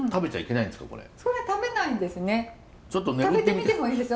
食べてみてもいいですよ。